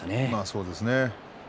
そうですね。